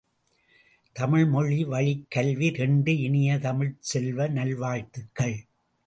தமிழ்மொழிவழிக் கல்வி இரண்டு இனிய தமிழ்ச் செல்வ, நல்வாழ்த்துக்கள்!